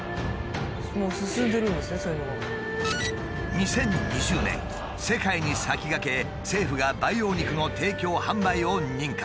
２０２０年世界に先駆け政府が培養肉の提供・販売を認可。